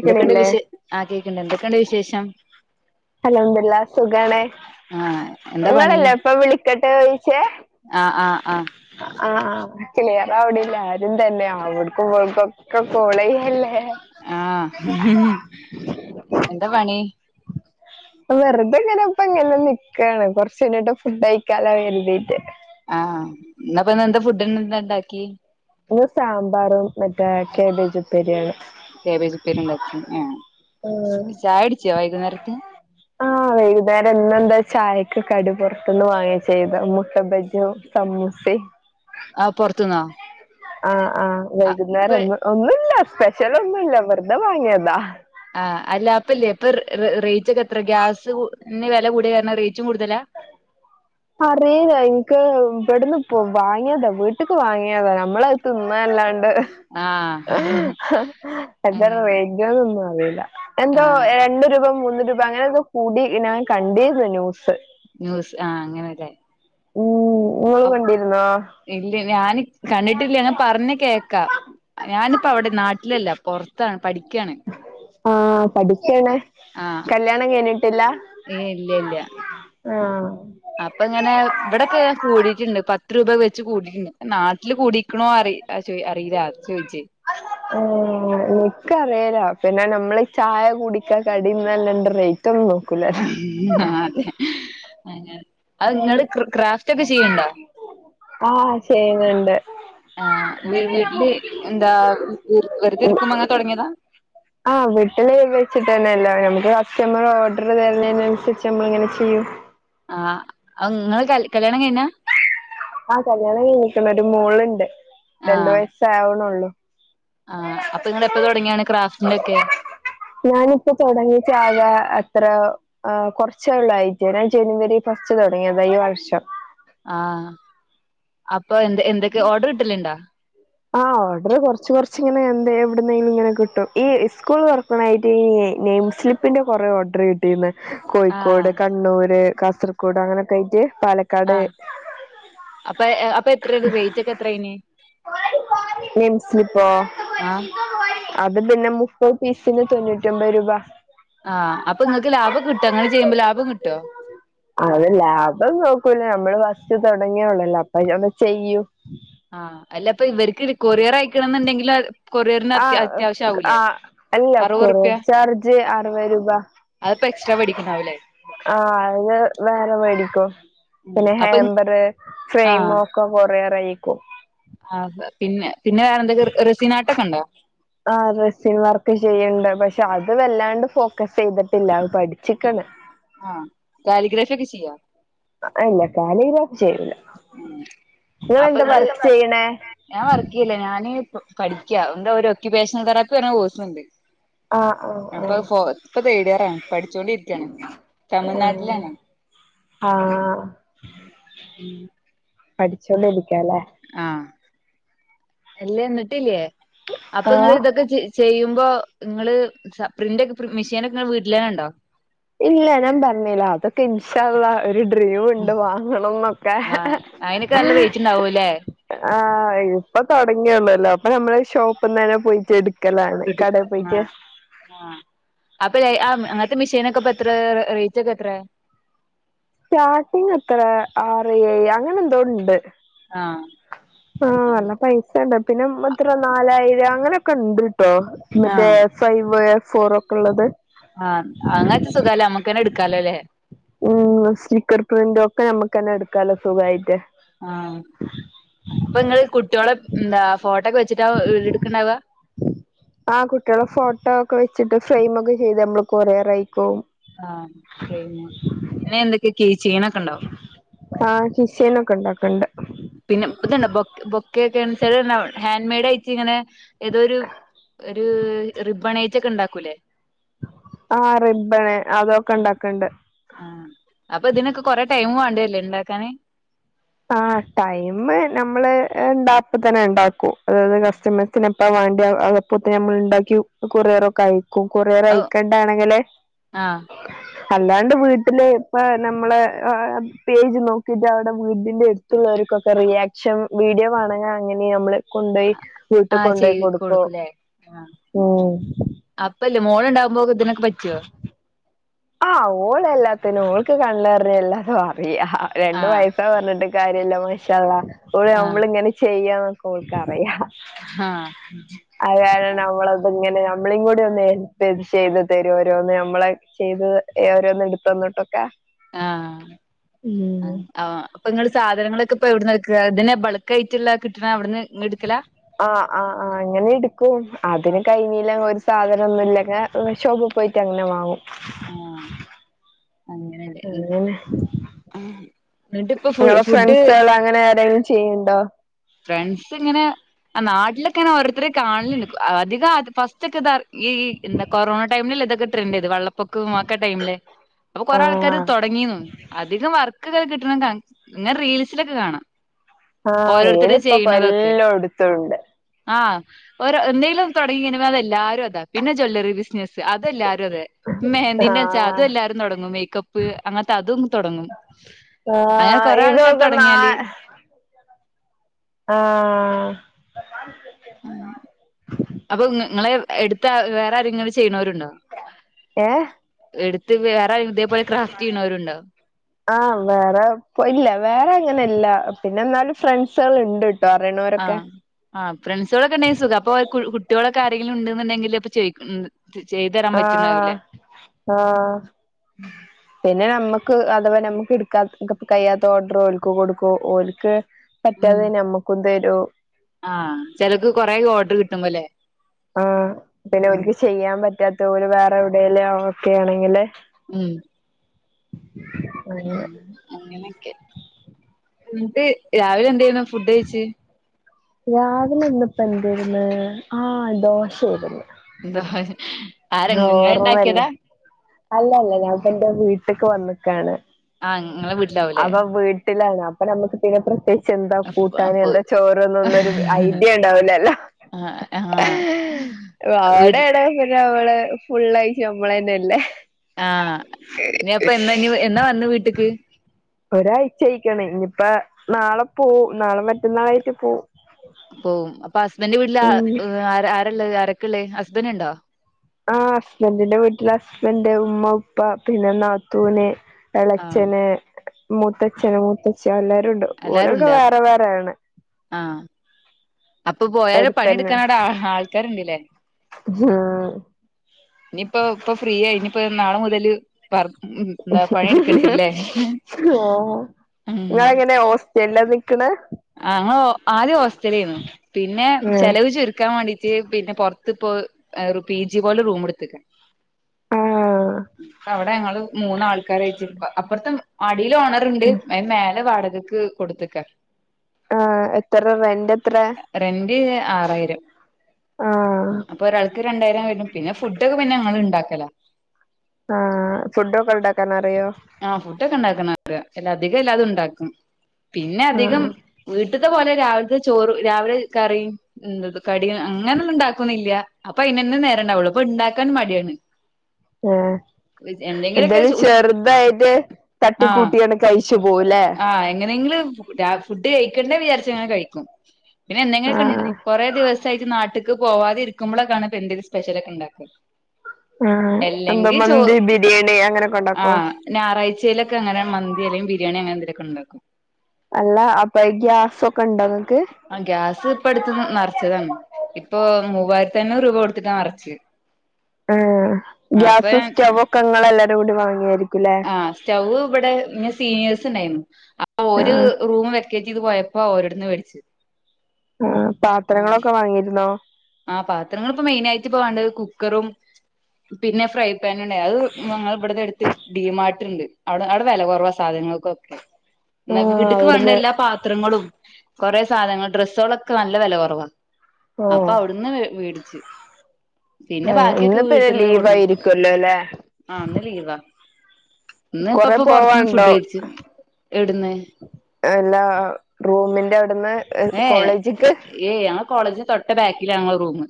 എന്തൊക്കെയണ്ട് വിശേഷ ആ കേക്ണ്ട് എന്തൊക്കെയണ്ട് വിശേഷം അൽഹംദുലില്ലാ സുഖണ് ആ എന്താ നിങ്ങളല്ലേ ഇപ്പൊ വിളിക്കട്ടെന്ന് ചോയിച്ചേ ആഹ് ആഹ് ആ ആഹ് ആഹ് ക്ലിയർ ആവിണില്ല ആരും തന്നെ അവിടുക്കും ഇവടക്കും ഒക്കെ കോളുച്ചേയല്ലേ ആഹ് എന്താ പണി വെറുതെങ്ങനെപ്പൊ ഇങ്ങനെല്ലാം നിക്കുവണ് കൊറച്ചുകഴിഞ്ഞിട്ട് ഫുഡ് കഴിക്കാലൊ കരുതിയിട്ട് ആഹ് ഇന്ന് ഇപ്പൊ എന്താ ഇന്ന് ഫുഡ് ഉണ്ടാക്കി ഇന്ന് സാമ്പാറും മറ്റേ കേബേജും ഉപ്പേരിയാണ് കേബേജ് ഉപ്പേരിയുണ്ടാക്കി എഹ് ഉം ചായകുടിച്ച വൈകുന്നേരത്തെ ആഹ് വൈകുന്നേരം ന്ന് എന്താ ചായക്ക് കടി പുറത്തുന്ന് വാങ്ങിയ ചെയ്ത മുട്ട ബജി യു സമോസെ ആഹ്‌ പൊറത്തുന്നോ ആഹ്‌ ആഹ് വൈകുന്നേരം ഒന്നും ഒന്നുല്ല സ്പെഷ്യൽ ഒന്നുല്ല വെറുതെ വാങ്ങിയതാ ആഹ് അല്ല അപ്പല്ലേ ഇപ്പൊ റേറ്റ് ഒക്കെ എത്ര ഗ്യാസ്ന് വില കൂടിയ കാരണം റേറ്റും കൂടുതലാ [inaudible] അറിയില്ല എനിക്ക് ഇവിടുന്ന് വാങ്ങിയതാ വീട്ടേക്ക് വാങ്ങിയതാ നമ്മളെ തിന്നാല്ലാണ്ട് ആ എത്ര അങ്ങനെ റേറ്റ് ഒന്നും അറിയില്ല ആ എന്തോ രണ്ട് രൂപ മൂന്ന് രൂപ അങ്ങനെക്കെ കൂടി ഞാൻ കണ്ടിരുന്നു ന്യൂസ് ന്യൂസ് ആഹ്‌ അങ്ങനെയല്ലേ ഉം നിങ്ങളും കണ്ടിരുന്നോ ഇല്ല ഞാൻ കണ്ടിട്ടില്ലാ പറഞ്ഞ കേട്ട് ക്ക ഞാനിപ്പോ അവിടെ നാട്ടിലല്ല പൊറത്താണ് പഠിക്കയാണ് ആഹ്‌ പഠിക്കാണേ ആഹ് കല്യാണംകൈനിട്ടില്ല ഏ ആഹ്‌ അപ്പ ഇങ്ങനെ ഇവിടെക്കെ കൂടിയിട്ടുണ്ട് പത്ത് രൂപ വെച്ച് കൂടിയിട്ടുണ്ട് നാട്ടില് കൂടിക്കണോ അറി അത് ചോയ് അറീല്ല [unintelligible] ചോയിച്ച് ആഹ്‌ ഇൻക്കറേലാ പിന്നെ നമ്മള് ചായ കുടിക്കാ കടി തിന്നാ [unintelligible] [unintelligible] ആഹ് അതെ അങ്ങനെ. അന് ഇങ്ങള് ക്ര് ക്രാഫ്റ്റ് ഒക്കെ ചെയ്യ്ണ്ടോ? ആഹ് ചെയ്യുന്നുണ്ട്. ആഹ്‌. വ് വീട്ടില് എന്താ വ്റ് വെറുതെ ഇരിക്കുമ്പോ ഇങ്ങെ തൊടങ്ങിയതാ. ആഹ് വീട്ടിൽ വെച്ചിട്ട് തന്നൊല്ലോ നമുക്ക് കസ്റ്റമർ ഓർഡർ തര്ണേന് അന്സരിച്ച് നമ്മൾ ഇങ്ങനെ ചെയ്യും. ആഹ്. അഹ് ഇങ്ങള് കൽ കല്യാണം കയിഞ്ഞാ? ആഹ്‌ കല്യാണം കയിഞ്ഞ്ക്ക്ണ്. ഒരു മോളുണ്ട് രണ്ട് ആഹ് വയസ്സാവ്ണൊള്ളു. ആഹ്. അപ്പൊ ഇങ്ങള് എപ്പൊ തൊടങ്ങിയാണ് ക്രാഫ്റ്റിൻ്റൊക്കെ? ഞാനിപ്പോ തൊടങ്ങീറ്റ് ആകെ എത്യോ ആഹ്‌ കൊറച്ചേ ഒള്ളൂ ആയിറ്റ്. ഞാൻ ജനുവരി ഫസ്റ്റ് തൊടങ്ങിയതാ ഈ വർഷം. ആഹ്‌ അപ്പൊ എന്ത് എന്തൊക്കെ ഓർഡർ കിട്ടലുണ്ടാ? ആഹ്‌ ഓർഡർ കൊറച്ച് കൊറച്ച്ങ്ങനെ എന്തേ എവിടുന്നേലും ഇങ്ങനെ കിട്ടും. ഈ സ്കൂൾ തൊർ ക്ക്ണായിറ്റ് നെയിം സ്ലിപ്പിന്റെ കൊറെ ഓർഡർ കി ട്ടീന്ന്. കോഴിക്കോട്, ആഹ് കണ്ണൂർ, കാസർകോട് അങ്ങനൊക്കായിറ്റ് പാല ആഹ്‌. അപ്പെ അ പ്പെത്രെത് റേറ്റ് ഒക്കെ എത്രേ അയ്ന് നെയിം സ്ലിപ്പോ ആഹ്‌. അത് പിന്നെ മുപ്പത് പീസിന് തൊണ്ണൂറ്റി ഒമ്പത് രൂപ. ആഹ്‌ അപ്പൊ ഇങ്ങക്ക് ലാഭം കിട്ടോ അങ്ങനെ ചെയ്യുമ്പം ലാഭം കിട്ടോ? അത് ലാഭം നോക്കൂല നമ്മള് ഫസ്റ്റ് തൊടങ്ങിയോള്ളല്ലോ അപ്പം ഞമ്മ ചെയ്യു. ആഹ്‌ അല്ല അപ്പൊ ഇവർക്കിത് കൊറിയർ അയക്കണംന്ന് ഇണ്ടെങ്കില് ആഹ്‌ ആഹ്‌ അല്ല അറുപത് കൊറിയർ റുപ്യ ചാർജ് അറുപത് രൂപ. അതിപ്പോ എക്സ്ട്രാ മേടിക്കണാവൂലേ ആഹ് അത് ഞാൻ വേറെ മേടിക്കും. പിന്നെ അപ്പൊ ഹേമ്പർ ഫ്രെയിമ് ആഹ് ഒക്കെ കൊറിയറയക്കും. ആഹ് പിന്നെ പിന്നെ വേറെന്തൊക്കെ റെസിൻ ആർട്ടൊക്കെണ്ടോ? ആഹ് റെസിൻ വർക്ക് ചെയ്യ്ണ്ട്. പക്ഷെ അത് വല്ലാണ്ട് ഫോക്കസ് ചെയ്തിട്ടില്ല അത് പഠിച്ചിക്ണ്. ആഹ്‌ കാലിഗ്രാഫി ഒക്കെ ചെയ്യോ? ഇല്ല കാലിഗ്രാഫി ചെയ്യൂല. ഏഹ് അപ്പൊ നിങ്ങളെന്താ ഇങ്ങള് വർക്ക് ചെയ്യണേ ഞാൻ വർക്ക് ചെയ്യല്ല ഞാന് പഠിക്ക്യാ എന്താ ഒരു ഒക്യുപ്പേഷണൽ തെറാപ്പി പറഞ്ഞൊര് കോഴ്സ്സ്ണ്ട്. ആഹ് ആഹ് അപ്പത് ഫോ ഇപ്പ തേർഡ് ഇയറാണ് പഠിച്ചോണ്ടിരിക്ക്യാണ് തമിഴ്നാട്ടിലാണ്. ആഹ്‌. ഉം. പഠിച്ചോണ്ട് ഇരിക്ക്യാ ല്ലേ. ആഹ് അല്ലേ ഇന്നട്ടില്ലേ അപ്പൊ ഇങ്ങള് ആഹ് ഇതൊക്കെ ചെ ചെയ്യുമ്പോ നിങ്ങള് സ പ്രിൻ്റൊക്കെ പ്ര് മെഷീനൊക്കെ ഇങ്ങളെ വീട്ടിലെന്നെണ്ടോ? ഇല്ല ഞാൻ പറ്ഞ്ഞീലാ അതൊക്കെ ഇൻ ഷാ അള്ളാഹ് ഒരു ഡ്രീമ് ണ്ട് വാങ്ങണംന്നൊക്കെ. ആഹ് അയിനൊക്കെ നല്ല റേറ്റ് ഉണ്ടാവൂല്ലേ ആഹ് ഇപ്പൊ തൊടങ്ങിയൊള്ളോല്ലേ അപ്പൊ നമ്മള് ഷോപ്പിന്നെന്നെ പോയിറ്റ് എട് ഇട് ആഹ് ആഹ് അപ്പൊ ആ അങ്ങനത്തെ മിഷീനൊക്കെ ഇപ്പെത്രേ റേ റ്റൊക്കെ എത്രെ? സ്റ്റാർട്ടിങ് എത്രേ ആറ് ഏഴ് അങ്ങനെ എന്തോണ്ട്. ആഹ്. ആഹ് നല്ല പൈസണ്ട് പിന്നെ എത്ര നാലായിരം അങ്ങനൊക്കെ ഇണ്ട്ട്ടോ. മറ്റേ ആഹ് ഫൈവ് ഫോർ ഒക്കെ ഉള്ളത് ആഹ് അങ്ങനത്തെ സുഖാലൊ അമ്മക്ക്ന്നെ എടുക്കാലോ അല്ലേ ഉം സ്റ്റിക്കർ പ്രിന്റും ഒക്കെ നമ്മുക്ക് തന്നെ എടുക്കാലോ സുഖായിട്ട് ആ അപ്പൊ നിങ്ങള് കുട്ടിയോളാ എന്താ ഫോട്ടോക്കെ വെച്ചിട്ടാ എടുക്കണത് ആഹ് കുട്ടികള് ഫോട്ടോ ഒക്കെ വെച്ചിട്ട് ഫ്രെയിമൊക്കെ ചെയ്ത് നമ്മള് കൊറിയറയിക്കും ആഹ് ഫ്രെയ്മ് പിന്നെ എന്തൊക്കെയക്കെ കീചെയീനൊക്കെ ഉണ്ടോ ആഹ് കിചെയ്നൊക്കെ ഉണ്ടാക്കണ്ട് പിന്നെ ഇതുണ്ടോ ബൊക്കെക്കെ ഹാൻഡ് മെയ്ഡ് ആയിട്ട് ഇങ്ങനെ ഏതോരു- ഒരു റിബണായിട്ട് ഒക്കെ ഉണ്ടാക്കൂല്ലേ ആഹ് റിബ്ബണ് അതൊക്കെ ഉണ്ടാക്കണ്ട് ആഹ് അപ്പൊ ഇതിനൊക്കെ കൊറെ ടൈം വേണ്ടി വരില്ലേ ഉണ്ടാക്കാന് ആഹ് ടൈമ് നമ്മള് അപ്പൊത്തന്നെ ഉണ്ടാക്കൂ അതായത് കസ്റ്റമേഴ്സ്- പിന്നെ ഇപ്പ വേണ്ടി അപ്പോ തന്നെ നമ്മള് ഉണ്ടാക്കി കൊറിയറൊക്കെ ആയക്കും കൊറിയർ അത് അയക്കേണ്ട ആണെങ്കില് ആഹ് - അല്ലാണ്ട് വീട്ടില് ഇപ്പ നമ്മളെ പേജ് നോക്കിട്ട് അവിടം- വീടിന്റെ അടുത്തുള്ളവർക്കൊക്കെ റിയാക്ഷൻ വീഡിയോ വേണോങ്കി അങ്ങനെ അങ്ങനെ നമ്മള്- കൊണ്ടപോയി വീട്ടിൽ ആഹ് കൊണ്ടോയി ചെയ് കൊടുക്കും ഉം അപ്പയില്ലേ മോളുണ്ടാകുമ്പോക്ക ഇതിനൊക്കെ പറ്റുവോ ആഹ് ഓൾ എല്ലാത്തിനും ഓൾക്ക് [unintelligible] അറിയ രണ്ടു ആഹ് വയസ് ഇപ്പ പറഞ്ഞിട്ട് കാര്യമില്ല മാഷ അള്ളാ ആഹ് നമ്മള് ഇങ്ങനെ ചെയ്യാന്നൊക്കെ ഓൾക്കറിയാം [inaudible] ആഹ് അതാണ് നമ്മളെ കുഞ്ഞിന് നമ്മളെയും കൂടി ഒന്ന് ഹെൽപ് ചെയ്ത് തരുരോന്ന് [unintelligible] നമ്മളെ ചെയ്ത് ഓരോന്ന് എടുത്തു അങ്ങോട്ട് ഒക്കെ ആഹ് ആ ഇപ്പൊ നിങ്ങള് സാധനങ്ങളൊക്കെ ഇപ്പ എവിടെന്നടുക്ക ഇതിനെ ബൾക്കായിട്ടുള്ള കിട്ടണ അവിടുന്ന് എടുക്കലാ ആഹ് ആഹ് ആഹ് അങ്ങനെ എടുക്കും അതിന് ആഹ് കഴിഞ്ഞീല ഒരു സാധനം ഒന്നുഇല്ലെങ്കി - ഷോപ്പിപോയിട്ട് അങ്ങനെ വാങ്ങും അങ്ങനെയല്ലേ [unintelligible] എന്നിട്ട് ഇപ്പൊ ഫു നിങ്ങളെ ഫുഡ് ഫ്രണ്ട്സ അങ്ങനെ ആരെങ്കിലും ചെയ്യ്ന്നുണ്ടോ ഫ്രണ്ട്സ് ഇങ്ങനെ- ആ നാട്ടിലൊക്കെ ഇങ്ങനെ ഓരോരുത്തർ കാണല് ഉണ്ട് അധികം ഫസ്റ്റ് ഒക്കെ ഇതാ ഈ- എന്ത കൊറോണ ടൈമിൽ അല്ലേ ഇതൊക്കെ ട്രെൻന്റ് വള്ളം- [unintelligible] ടൈമിലെ അപ്പൊ കൊറേ ആൾക്കാര് ആഹ് തൊടങ്ങിന്ന് അധികം വർ കിട്ടണം [unintelligible] പിന്നെ റീൽസിലൊക്കെ കാണാം ആഹ് റീല് ഓരോരുത്തര് ഇപ്പൊ ചെയ്യണതൊക്കെ ഇല്ലാടുത്തുണ്ട് ആഹ് എന്തേലും ഒന്ന് തൊടങ്ങി ഇനി അത് എല്ലാരും അതാ പിന്നെ ജ്വല്ലറി ബി അതെല്ലാരും അതെ മെഹന്ദിന്റെ വെച്ചാ ആഹ് അതും എല്ലാരും തൊടങ്ങും മേക്കപ്പ് അങ്ങനത്തെ അതും തൊടങ്ങും അങ്ങനെ ആഹ് കൊറെ ആൾക്കാര് ഇതൊക്കെ നാ തൊടങ്ങിയാല്- ആഹ് അപ്പ നിങ് നിങ്ങളെ എട്- വേറെ ആരങ്കിലും ചെയ്യണവരുണ്ടോ ഏഹ് എടുത്ത് വേറെ ആര് - ഇ തെ പോലെ ക്രാഫ്റ്റ് ചെയുന്നവരുണ്ടോ ആ വേറെ ഇല്ല വേറെ അങ്ങനെല്ല പിന്നെ എന്നാലും ഫ്രണ്ട്സുകൾ ഇണ്ട് തറീണോ ആ ആ ഫ്രണ്ട്സുകളൊക്കെ ഇണ്ടെങ്കി സുഖവാ അപ്പ കുട്ടികളൊക്കെ ആരെങ്കിലും ഉണ്ട്ന്ന്ണ്ടെങ്കല് അപ്പ ചോ റ്റ് ചെയ്തിറ ആഹ് ആഹ് ഉം [unintelligible] പിന്നെ നമ്മക്ക് അഥവാ നമ്മക്ക് എടുക്കാ കയ്ത്ത ഓർഡർ ഓല്ക്ക് കൊട്ക്കും ഓല്ക്ക് ഉം പറ്റാത്ത നമ്മുക്കും തരും ആഹ് ചിലക്ക് കൊറേ ഓർഡർ കിട്ട്മ്പല്ലേ ആഅഹ പിന്നെ ഒൽക്ക് ചെയ്യാ പറ്റാത്ത ഓര് വേറെ എവിടെല് ഒക്കെ ആണെങ്കില് ഉം അങ്ങനെ അങ്ങനക്കെ എന്ന്ട്ട് രാവിലെ എന്ത് ഫുഡ് കയിച്ച് രാവിലെ ഇന്നിപ്പ എന്തായിന്ന് ആഹ് ദോശാരെന്ന് ന്തേ ഹ്ഹ് ഓർമ്മല്ലേ അല്ല അല്ല ഞാപ്പ എന്റെ വീട്ട്ക്ക് വന്നിക്കാണ് ആഹ് ഇങ്ങളെ വീട്ടിലാവൂലേ അപ്പ വീട്ടിലാണ് അപ്പ നമ്മക്ക് പിന്നെ പ്രത്യേ ച് എന്താ കൂട്ടാന് അപ്പൊ എന്താ ചോറ്ന്ന്ന്നൊരു ഐഡിയ ഇണ്ടാവൂലല്ലോ ആഹ് ആഹ് [unintelligible] വിടെ വീട്ടിൽ അവളെ ഫുള്ളായി നമ്മളന്നെ അല്ലേ ആഹ് ഇനി എപ്പ എന്നാ ഇനി എന്നാ വര്ന്ന വീട്ട്ക്ക് ഒരായിച്ചായിക്കണ് ഇനിയിപ്പ നാളെ പോവും നാള മറ്റന്നാളായിട്ട് പോവും പോവും അപ്പ ഹസ്ബന്റെ വീട്ടില് ഉം ആരള്ളത് ആരക്കെള്ളേ ഹസ്ബൻ്റ് ഇണ്ടോ ആ ഹസ്ബൻ്റിന്റെ വീട്ടില് ഹസ്ബന്റ് ഉമ്മ ഉപ്പ പിന്ന നാത്തൂന് ആഹ് ഇളച്ചന് മൂത്തച്ഛന് മൂത്തച്ഛ എല്ലാരുംണ്ട് എല്ലാരും ഉണ്ട ആഹ് അപ്പ പോയാല് എടുത്തന്നെ പണിയെട്ക്കാന് അവടെ ആൾക്കാര്ണ്ടല്ലേ ഉം ഇനിയിപ്പ ഇപ്പ ഫ്രീയ ഇനിയിപ്പ നാളെ മുതല് പറ എന്താ പണിയെട്ക്കണല്ലേ നിങ്ങ എങ്ങനെയാ ഹോസ്റ്റലിലാ നിക്കണെ ആ അങ്ങോ ആദ്യം ഹോസ്റ്റലിന്ന് പിന്നെ ഉം ചെലവ് ചുരുക്കാൻ വേണ്ടി ഈ പുറത്ത്പ്പ പി ജി പോലെ റൂം എടുത്ത്ക്ക ആഹ് അപ്പ അവിടെ അങ്ങള് മൂന്നാൾക്കാരയിട്ട്പ്പ അപ്പ്റത്തെ അടീല് ഓണറ്ണ്ട് മേലെ വാടകക്ക് കൊടുത്ത്ക്ക ആഹ് എത്ര റെന്റ് എത്ര റെന്റ് ആറായിരം ആഹ് അപ്പ ഒരാൾക്ക് രണ്ടായിരം വരും പിന്ന ഫുഡൊക്കെ പിന്നങ്ങള് ഇണ്ടാക്കല ആഹ് ഫുഡൊക്കെ ഇണ്ടാക്കാൻ അറിയോ ആഹ് ഫുഡൊക്കെ ഇണ്ടാക്കണ അറിയാം അധികം എല്ലാതും ഇണ്ടാക്കും പിന്ന അധികം ആഹ് വീട്ട്ത്തെ പോലെ രാവിലത്തെ ചോറും രാവിലെ കറി കടി അങ്ങനെ ഒന്നും ഇണ്ടാക്കൊന്നില്ല അപ്പ അയിനന്ന നേരണ്ടാവുള്ളൂ അപ്പ ഇണ്ടാക്കാനും മടിയാണ് ആഹ് എന്തെങ്കിലുമൊക്കെ എന്തായാലും ഉച്ച ചെറുതായിട്ട് ആഹ് തട്ടിക്കൂട്ടി എടു കഴിച്ചു പോവുലേ ആഹ് എങ്ങനെങ്കിലും ഫുഡ് കയിക്കണ്ടേ വിചാ ച കയിക്കും പിന്നെ എന്തങ്കിലും ഒക്കെ ഇ ആഹ് കുറേ ദിവസ സായിട്ട് നാട്ട്ക്ക് പോവാതി ഇരിക്കുമ്പോളക്കാണ് ഇപ്പ എന്റെ സ്പെഷ്യലൊക്കെ ഇണ്ടാക്കുക ആഹ് എന്താ മന്തി, ബിരിയാണി അങ്ങനെയൊക്കെ ഉണ്ടാക്കോ ഞായറഴ്ചയിലൊക്കെ അങ്ങനെ മന്തി അല്ലങ്കി ബിരിയാണി അങ്ങനെന്തലൊക്കെ ഉണ്ടാക്കും അല്ല അപ്പൊ ഗ്യാസൊക്കെ ഉണ്ടോ ഇങ്ങക്ക് ആഹ് ഗ്യാസ് ഇപ്പ എടുത്ത് നറച്ചതാണ് ഇപ്പൊ മൂവായിരത്തി അഞ്ഞൂറ് രൂപ കൊടുത്തിട്ടാ നറച്ച് മം ഗ്യാസ് സ്റ്റവൊക്കെങ്ങള് എല്ലാരും കൂടി വാങ്ങിയായിരിക്കുംല്ലേ ആ സ്റ്റവ് ഇവിടെ ഇവ്ടെ സീനിയേഴ്സ് ഉണ്ടായിരുന്നു അപ്പൊ ഓർ ആഹ് റൂം വെക്കേറ്റ് ചെയ്ത് പോയപ്പോ പ്പ ഓരിട്ത്ത്ന്ന്വേടിച്ചു പാത്രങ്ങളൊക്കെ വാങ്ങിയിരുന്നോ ആ ഹ് പാത്രങ്ങ പ്പ മെയിൻ ആയിട്ട് ഇപ്പ വേണ്ടത് കുക്കറും പിന്നെ ഫ്രൈ പാനും അത്ഞങ്ങൾ ഇവിടത്തെ എടുത്ത് ഡീമാർട്ട്ണ്ട് അവിടെ അവിടെ വില കുറവ സാധനങ്ങൾക്കൊക്കെ എന്ന ആഹ് വീട്ടക്ക് വേണ്ട അവിടുന്ന് എല്ലാ പാ പത്രങ്ങളും കുറെേ സാധനങ്ങും ഡ്രസ്സുകളൊക്കെ നല്ല വില കുറവാണ് ഓ അന്ന് വേടിച്ചു പിന്നെ ആഹ് ബാക്കിയൊക്കെ ഇന്ന് പിന്നെ വീട്ടന്ന് ലീവ് കൊടുന്ന് ആയിരിക്കുവല്ലോ അല്ലേ ആഹ് അന്ന് ലീവാ ഇന്ന് കൊറെ ഇപ്പപ്പൊ പുറത്തുന്ന് ഫുഡ് കഴിച്ചു എടുന്ന എഹ് എല്ലാ റൂമിന്റെ അവിടുന്ന് കോളേജിക്ക് ഏഹ് ആ കോളജ് തൊട്ട ബാക്കില ഞങ്ങളെ റൂമ്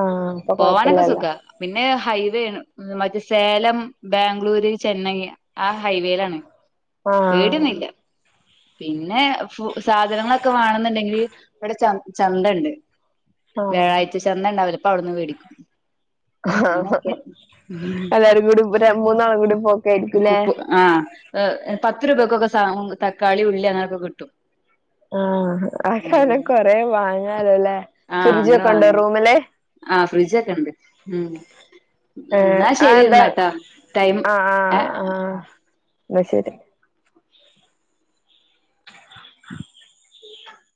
ആഹ് ഇപ്പ പോവാനൊക്കെ കുഴപ്പില്ലല്ല സുഖാ പിന്നെ ഹൈവേ ആണ് മറ്റേ സേലം, ബാംഗ്ലൂര്, ചെന്നൈ ആഹ് ഹൈവേയിലാണ് ആഹ് പേടിഒന്നില്ല പിന്നെ ഫു സാധനങ്ങളൊക്കെ ക്ക്വാണന്ന്ണ്ടെങ്കിൽ ഇവിടെ ചന്തു ചന്തണ്ട് ആഹ് വ്യാഴാഴ്ച ചന്തണ്ടാവല് അപ്പ അവിന്ന്വേടിക്കും ആഹ് ഉം എല്ലാരും കൂടി ര മൂന്നാളും കൂടി പോക്കെ ആയിരിക്കൂല്ലേ ആഹ് പത്ത് രൂപക്കൊക്കെ തക്കാളി, ഉള്ളി അങ്ങനൊക്കെ കിട്ടും ആഹ് അപ്പൊ കൊറ വാങ്ങാലോല്ലേ ആഹ് അങ്ങനെ ഫ്രിഡ്ജൊക്കെ ഉണ്ടോ വാങ്ങ റൂമില് ആ ഫ്രിഡ്ജൊക്കെ ഉണ്ട് ഏഹ് എന്നാ ആ ശരി എന്താ എന്നാട്ടാ ടൈം ആ ഏ ആഹ് ആഹ് എന്നാ ശരി [unintelligible]